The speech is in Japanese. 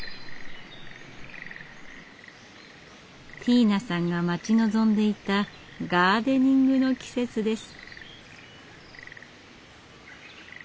ティーナさんが待ち望んでいたガーデニングの季節です。